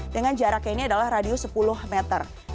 dengan jaraknya ini adalah radius sepuluh meter